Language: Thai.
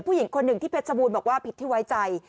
ผู้หญิงคนหนึ่งที่เพชรบูรณ์บอกว่าผิดที่ไว้ใจ